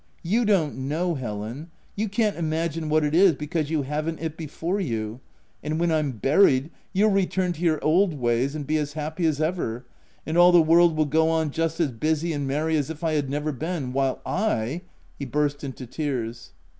You don't know, Helen — you can't imagine what it is, because you haven't it before you ; and when I'm buried, you'll return to your old ways and be as happy as ever, and all the world will go on just as busy and merry as if I had never been ; while I * He burst into tears.